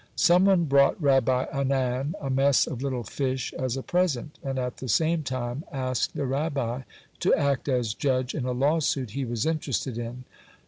Someone brought Rabbi Anan a mess of little fish as a present, and at the same time asked the Rabbi to act as judge in a lawsuit he was interested in.